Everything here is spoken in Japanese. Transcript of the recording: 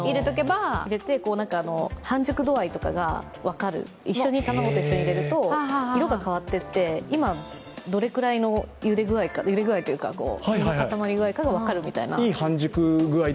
半熟度合いとかが分かる、卵と一緒に入れると色が変わっていって、今どれくらいのゆで具合というか固まり具合かが分かるっていう。